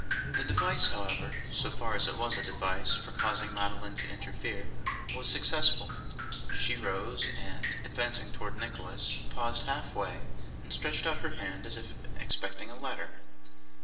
The device, however, so far as it was a device for causing Madeline to interfere, was successful. She rose, and advancing towards Nicholas paused half way, and stretched out her hand as expecting a letter.